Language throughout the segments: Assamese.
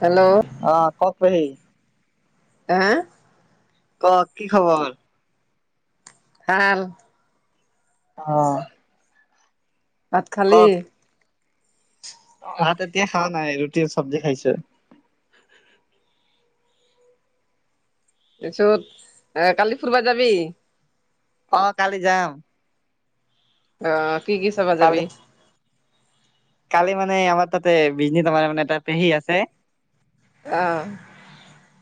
হেল্ল'ও। অ কওক পেহী হে কক কি খবৰ ভাল অ ভাত খালি কওক ভাত এতিয়া খোৱা নাই ৰুটি চব্জি খাইছো তাৰপিছত এ কালি ফুুৰিবা যাবি অ কালি যাম অ কি কি চাবা যাবি কালি কালি মানে আমাৰ তাতে বিজনীত তাৰমানে এটা পেহী আছে অ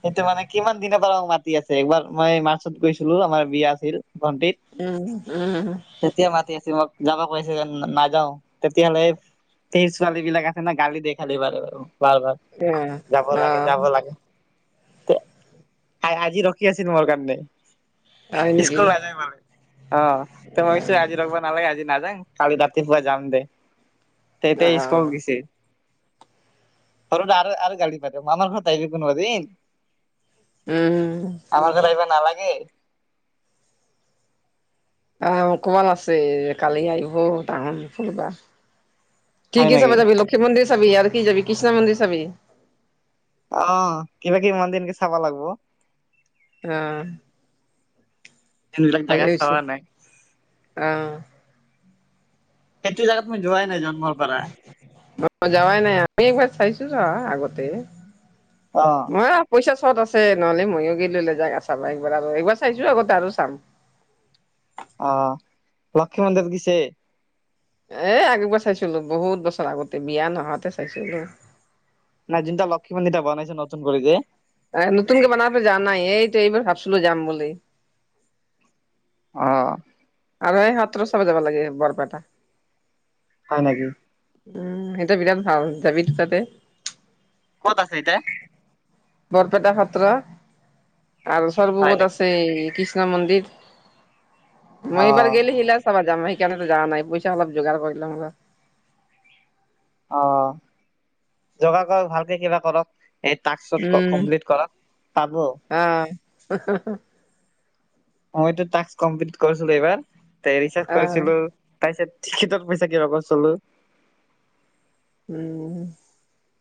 সেইটো মানে কিমান দিনৰ পৰা মাতি আছে একবাৰ মই মাৰ্চত গৈছিলো আমাৰ বিয়া আছিল ভণ্টিত উম উম তেতিয়া মাতি আছো মোক যাবা কৈ আছে যেন নাযাও তেতিয়াহ'লে পেহী ছোৱালী বিলাক আছে ন গালি দিয়ে খালি বাৰু বাৰু ভাল ভাল যাব অ লাগে যাব লাগে আ আজি ৰখি আছিল মোৰ কাৰণে হয় নেকি স্কুল নাযাই মানে অ ত ভাবিছো আজি লগিব নালাগে আজি নাযাঙ কালি ৰাতিপুৱা যাম দে তেতে অ স্কুল গৈছে সৰু দা আৰু আৰু গালি পাৰে মানৰ ঘৰত আহি যাব নোৱাৰিন। উম আমাৰ ঘৰত আহিবৰ নালাগে আহ অকমান আছে কালি আহিব টাউন ফুৰবা কি হয় কি চাব নেকি? যাবি লক্ষ্মী মন্দিৰ চাবি আৰু কি যাবি কৃষ্ণ মন্দিৰ চাবি অ কিবা কিবি মন্দিৰ এনেকে চাব লাগিব অ যোনবিলাক ভালে জেগা হৈছে চাৱা নাই অ সেইটো জোগাত মই যোৱাই নাই জন্মৰ পাৰা ম যোৱাই নাই, আমি একবাৰ চাইছো ৰোৱা আগতে অ মইয়ো পইচা চট আছে নহ'লে ময়ো গেলো হলে জাগা চাব একৰাৰ আৰু এইবাৰ চাইছো আগতে আৰু চাম অ লক্ষ্মী মন্দিৰ গৈছে এ আগেবাৰ চাইছিলো বহুত বছৰ আগতে বিয়া নহাতে চাইছিলো নাই যোনটা লক্ষ্মী মন্দিৰটা বনাইছে নতুন কৰি যে এ নতুনকে বনাবো যা নাই এইটো এইবোৰ ভাবছিলো যাম বুলি অ আৰু সেই সত্ৰ চবে যাবা লাগে বৰপেটা হয় নেকি উম সেইটো বিৰাট ভাল যাবি দুতাতে ক'ত আছে এইতা বৰপেটা সত্ৰ আৰু চৰ হয় বুঙত নেকি আছেই কৃষ্ণ মন্দিৰ মই এইবাৰ অ', গেলিহি লাষ্ট চাব যাম সেইকাৰণেতো যোৱা নাই পইচা অলপ যোগাৰ কৰিলঙ ৰ অ যোগা কৰ ভালকে কিবা কৰক এই টাস্কত উম কমপ্লিট কৰা পাব। আহ। মই টাস্ক কমপ্লিট কৰিছিলো এইবাৰ টো অৰিছ আহ কৰিছিলো। তাৰিত টিকটত পইছা কিবা কৌ চলো। উম।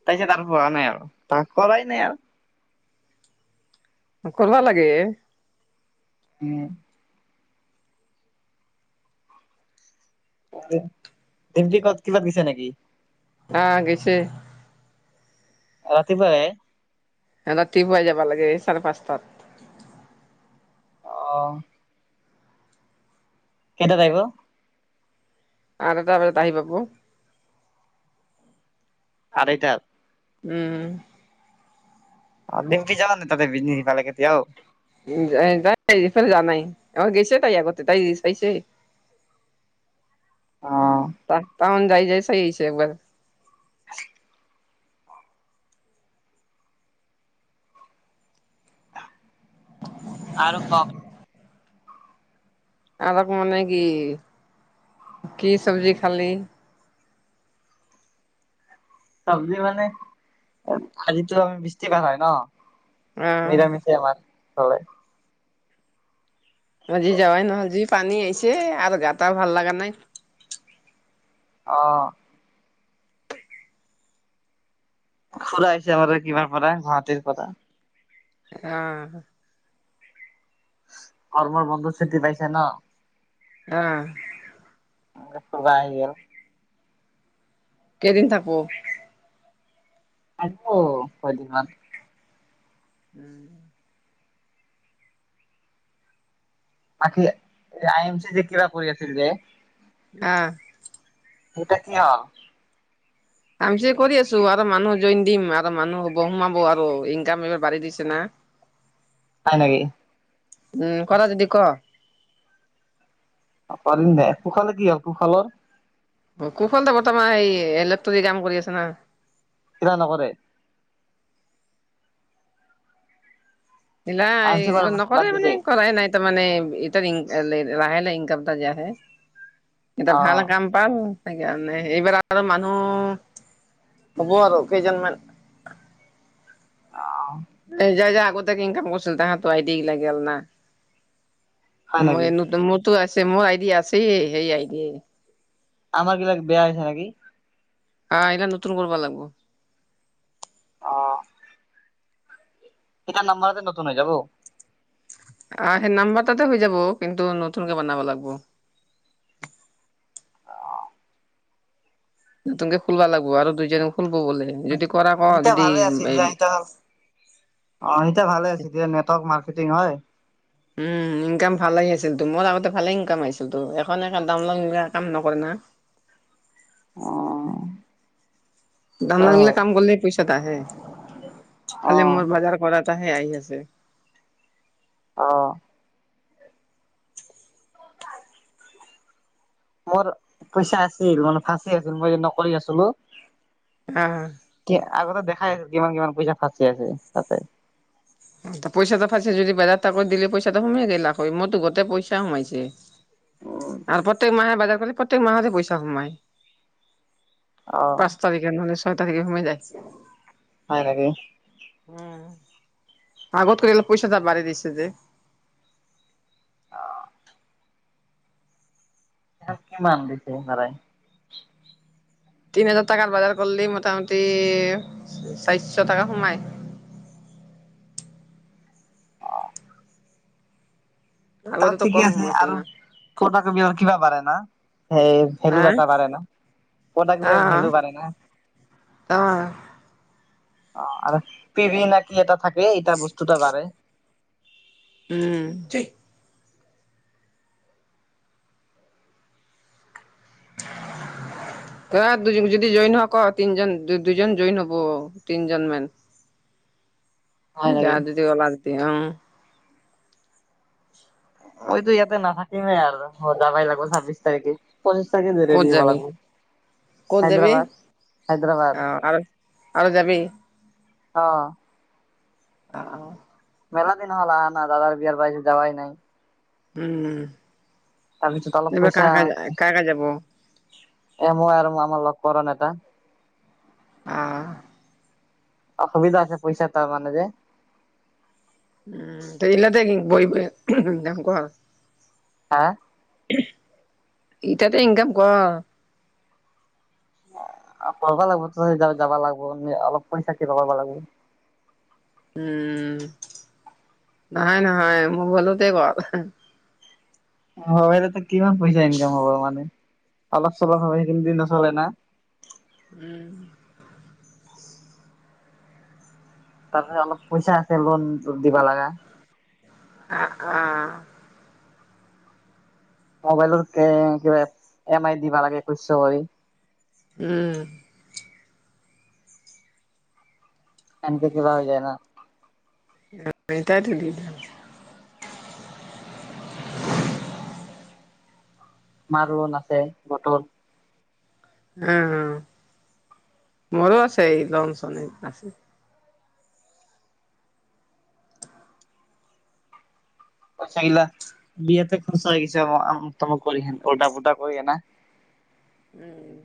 তাৰ পিছত তাৰ প নাই আৰু তাৰ কৰাই নাই আৰু। কৰিব লাগে। উম। ডিমটি কত কিবাত দিছে নেকি? অ গৈছে। ৰাতি পাৰে। ৰাতিপুৱাই যাবা লাগে চাৰে পাঁচ তাত। অ। কেটাত আহিব। আঠ এটা বজাত আহি পাবু। আঢ়ৈটাত। উম। অ লিমকি যা নে তা বিজন সফালে কেতিয়াও। তাইফ যান নাই আৰ গেছে তাই কৰ তাই দি চাইছে। [inaudible] ত টাউন যাই যাই আহিছে একবাৰ। আৰু কওক। আৰুক মানে কি কি চব্জি খালি? চব্জি মানে আজিতো আমি বৃষ্টি বাৰ হয় ন। আহ নিৰামিষে আমাৰ ফালে। আজি যাৱাই নহয় জি পানী আহিছে আৰু গা ভাল লগা নাই। অঁ। খুৰা আহিছে বাৰ কিবাৰ পৰা গুৱাহাটীৰ পৰা। অঁ। গৰমৰ বন্ধু চুটি পাইছে ন? অঁ। ফুগা আহি গেল। কেইদিন থাক। আ কদিনমান। উম। বাকি আই এম চি যি কিবা কৰি আছিল যে, অঁ। [unintelligible] কাম চ কৰি আছো আৰু মানুহ জইন দিম আৰু মানুহ হ'ব সোমাব আৰু ইনকাম এইবাৰ বাঢ়ি দিছে না। হয় নেকি? উম কৰা যদি ক। পাৰিম দোই পোশালে কি হ'ল পোশালৰ। কুশল দে বৰ্তমান স ইলেক্ট্ৰনিক কাম কৰি আছে না। কিবা নকৰে। নিলা আই এম চি এই কৰা বাদ নকৰে মানে দিছে কৰাই নাই। মানে ইতা লাহে লাহে ইনকাম এটা যে আহে এটা অ ভাল কাম। পাল সেইকাৰণে এইবাৰ আৰু মানুহ হ'ব আৰু কেইজনমান। অ অ, যাৰ যাৰ আগতিয়াকে ইনকাম কৰিছিল তাহাতৰ আইডি লাগিলাগ না। হয় নেকি মই মোৰতো আছে মোৰ আইডিয় আছে সেই আইডি। আমাৰ বিলাক বেয়া হৈছে নেকি। আহ এতিয়া নতুন কৰিব লাগিব। অঁ এতিয়া নাম্বাৰতে নতুন হৈ যাব। আহ সেই নাম্বাৰ তাতে হৈ যাব কিন্তু নতুনকে বনাব লাগিব। নতুনকে খুলা লাগিব আৰু দুইজনী খুলব বোলে যদি কৰা ক ইতিয়া যদি। ভালে আছিল দিয়া ইতিয়া অ এতিয়া ভালে আছে এয়া নটৱৰ্ক মাৰ্কেটিং হয়। উম ইনকাম ভালে আছিল তো মোৰ আগতে ভালে ইনকাম আহিছিল তো এখন হে [unintelligible] কাম নকৰে না, অ ধানা ত' দিলে হয়। কাম কৰিলে পইচাতো আহে খালি মোৰ বজাৰ কৰা তহে আহি আছে। অ মোৰ পইচা আছিল মানে ফাঁচি আছিল মই নকৰি আছিলো। উম, কি আগতে দেখাই আছে কিমান কিমান পইচা ফাঁচি আছে তাতে। পইচাটা ফাইছে যদি বোৰ তাকত দিলে পইচাটো সোমাই গৈ লাখ হয় মইত গতেই পইচা সোমাইছে। উম আৰু প্ৰত্যেক মাহে বাৰ কৰি প্ৰত্যেক মাহতে পইচা সোমায়। অ, তাৰিখে মানে ছয় তাৰিখে সোমাই যায়। হয় নেকি। উম আগত কৰিল পইচা যে বাঢ়ি দিছে যে। অ তাক কিমান দিছে ভাৰাই, তিন হাজাৰ টকা বজাৰ কৰিলি মোটামুটি চাৰিশ টকা সোমাই। তাত আগতেতো ঠিকে কম আছে সোমাইছিল আৰু না ফটাকপি আৰু কিবা বাঢ়েৰে না সেই, ভেলু হা বেটা পাৰে ন প্ৰডাক্ট বিলাক ভেলু পাৰে না, অ, অ আৰু পিভি নাকি এটা থাকে এইটা বস্তুটা বাঢ়ে। উম, [inaudible] ত দু যদি জইন হক তিনজন দুজন জইন হব তিনজন মান। [inaudible] নেকি [unintelligible] মইতো ইয়াতে নাথাকিমেই আৰু যাবাই লাগিব ছাব্বিশ তাৰিখে, [unintelligible] ক'ত ৰেডি হব যাবি লাগিব। ক'ত যাবি হায়দৰাবাদ হায়দৰাবাদ অ আৰু আৰু যাবি। অ, অ অ, মেলা দিন হ'ল অহা দাদাৰ বিয়াৰ পাইছে যোৱাই নাই। উম তাৰপিছত অলপ এইবাৰ পইচা কাক কাকা যাব। এ মই আৰু আমাৰ লগৰ এটা, আ অসুবিধা আছে পইচা তাৰ মানে যে উম ত সেইবিলাতে বহি বহি যাম ক আ হা ওমহ এতিয়াতো ইনকাম কৰ অ কৰিবা লাগিব ত যাবা লাগিব অলপ পইচা কিবা কৰিব লাগিব উম নহয় নহয় মোবাইলতে ক হয় তাতে কিমান পইচা ইনকাম হ'ব মানে অলপ চলপ হ সেইখিনি দি নচলে না উম তাৰপিছত অলপ পইচা আছে লোন দিব লগা আ আ মোবাইলৰ কে কিবা এম আই দিব লাগে একৈশ কৰি উম এনেকে কি কিবা হৈ যায় ন ম তাই দি মাহতৰন লগত আছে বটল উ উ মোৰো আছে এই লন চন আছে পইচাগিলা বিয়াতে খচা হৈ গৈছে আমোক তামোক কৰি হেন ওলটা পোলটা কৰিয়ে না উম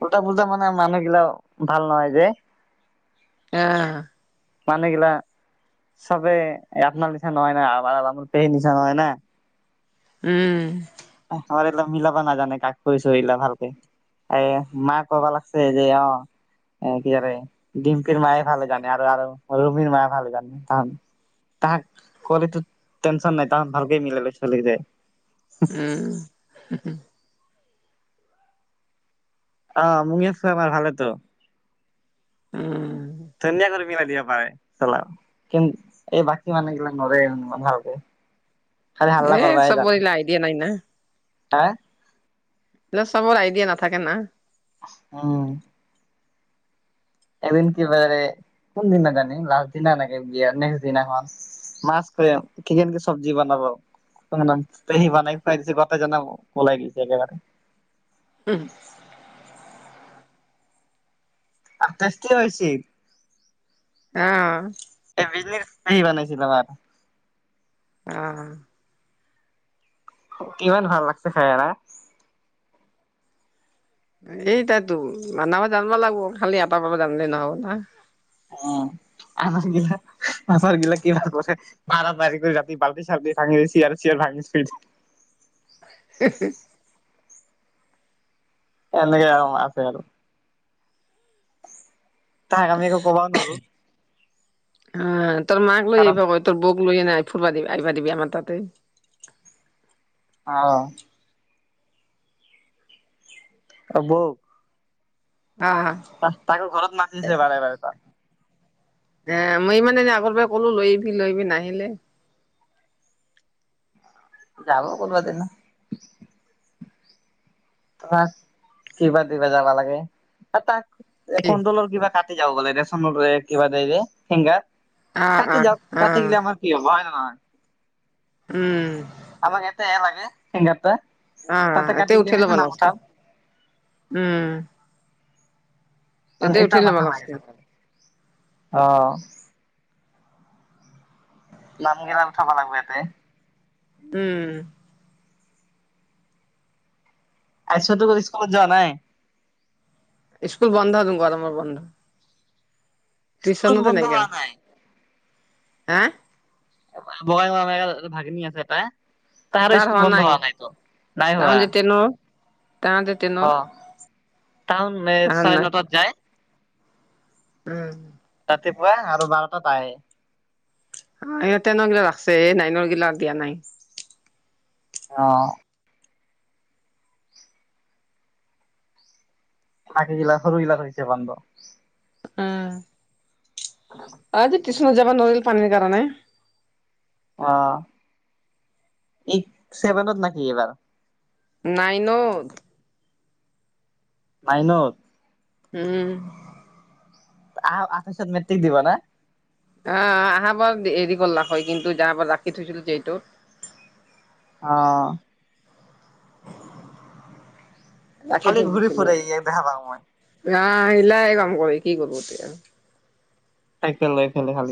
ওলটা পুলটা মানে মানুহ গিলাক ভাল নহয় যে অ মানে কেলা চবে আপোনাৰ নিচিনা নহয় না আমাৰ পেহীৰ নিচিনা হয় না উম আমাৰ এইবিলাক মিলাবা নাজানে কাক কৰিছ এইবিলাক ভালকে এ মা কবা লাগিছে যে অ কি কৰে ডিম্পিৰ মায়ে ভাল জানে আৰু আৰু ৰুমিৰ মায়ে ভাল জানে তাহাঁত তাক কলেতো টেনচন নাই তাহাত ভালকে মিলালৈ চল যায় উম হু হু অ মোক এই ফ্লেভাৰ ভালেতো উম ধুনীয়া কৰি মিলাই দিব পাৰে চালা কিন্তু এই বাকী মানুহগিলাক নৰে ইমান ভালকে খালি হাল্লা এই কৰিবই জান চবৰে আইডিয়া নাই না। হা চবৰ আইডিয়া নাথাকে না উম এদিন কি বাৰে কোনদিনা জানি লাষ্ট দিনা এনেকে বিয়া নেক্সদিনাখন মাছ খ কিনি এনেকে এনেকে চব্জি বনাবা একদম একদম সি উম, বনাই খুৱাই দিছে বাতে জানাব পলাই গৈছে একেবাৰে উ হু আঠাইশকে হৈছিল অ এই আহিলে আহিবানে চিধা ভাত অ কিমান ভাল লাগছে খাই না এইতাটো বানাবা জানবা লাগব, খালি এটা পৰা জানলে নহ'ব না। অ আম আচাৰ গিলা, আচাৰ গিলা কিমান কৈছে। মাৰামাৰি কৰি ৰাতি বাল্টি চাল্টি ভাঙি চিয়াৰ চিয়াৰ ভাঙিছে। হেহ হে। এনেকে অ আছে আৰু। তাক আমি একো ক'বা নোৱাৰোঁ। অ তোৰ মাক লৈ কাৰণ আইবা ক, তোৰ বৌক লৈ আনা আয় ফুুৰবা দিবি আহিবা দিবি আমাৰ তাতে। অ। অ বৌক? অঁ। তাকো ঘৰত মাতিছে বাৰে বাৰে তাক। এ মই মানে এনে আগৰ পৰা কলো লৈ আহবি লৈ আহবি নাহিলে। যাব কোনবাদিনা। তোমাক কিবা দিবা যাবা লাগে। তা তাক এ কি? কন্টলৰ কিবা কাট, [unintelligible] কিবা দে যে ফিংগাৰ অ', তাতে অ', যাওক তাতে অ', গেলে আমাৰ কি হ'ব হয় নহয়? উম। আমাক এটাই লাগে, ফিংগাৰটা। অ তাতে এতে কাটি গিলে উঠে আমি লব এতিয়া নাম লাগছে, উঠাম উম। হয় এতিয়া উঠি এইতা ল'ব মাথা মাৰি লাগছিল থাকে। অ। নাম গিলান উঠাবা লাগব এয়াতে। উম। আইছাটো স্কুলত যোৱা নাই? স্কুল বন্ধ তো গৰমৰ বন্ধ। স্কুল টিচনতে বন্ধ নেগেল। হোৱা নাই হা? বাঙাইগাওত [unintelligible] ভাগিনী আছে এটা তাৰ স্কুল বন্ধ হোৱা নাইতো নাই হোৱা। [unintelligible] তাহাতে অ, টাউন মে তাৰ চাৰে নাই নটাত যায়। উম। তাতে পুৱা আৰু বাৰটাত আহে। এ টেনৰ গিলাক লাগছে, এ নাইনৰ গিলাক দিয়া নাই। অ। [unintelligible] সৰু গিলাক হৈছে বন্ধ। অঁ। অ আজি টিচনত যাবা নোৱাৰিল পানীৰ কাৰণে। অ। এই ছেভেনত নাকি এইবাৰ? নাইনত। নাইনত। উম। আহা আঠাইছত মেট্টিক দিব না? আহ আহা বাৰ হেৰি কল্লাক হয় কিন্তু যাৱা বাৰ ৰাখি থৈছিলো যে এইটোত। অ। ৰাখি খালি থৈ ঘূৰি দিছিলো ফুৰে ই দেখা পাওঁ মই। আহ এলাই কাম কৰে কি কৰব এতিয়া। চাইকেল লৈ পেলাই [unintelligible]